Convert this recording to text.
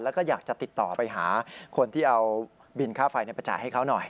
แล้วก็อยากจะติดต่อไปหาคนที่เอาบินค่าไฟไปจ่ายให้เขาหน่อย